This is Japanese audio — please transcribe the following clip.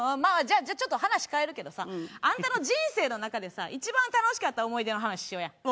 じゃあちょっと話変えるけどさあんたの人生の中でさ一番楽しかった思い出の話しようや。